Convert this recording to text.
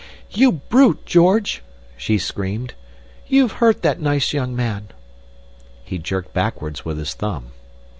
"You brute, George!" she screamed. "You've hurt that nice young man." He jerked backwards with his thumb.